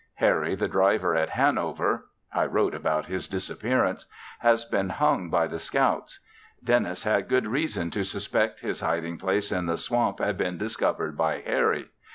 Harry, the driver at Hanover, (I wrote about his disappearance), has been hung by the scouts. Dennis had reason to suspect his hiding place in the swamp had been discovered by Harry.